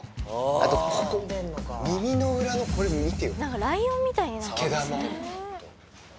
あと、ここ、耳の裏のこれ、見て。